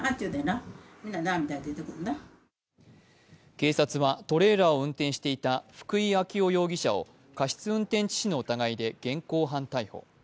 警察はトレーラーを運転していた福井容疑者を過失運転致死の疑いで現行犯逮捕。